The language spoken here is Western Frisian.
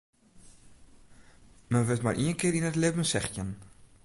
Men wurdt mar ien kear yn it libben sechstjin.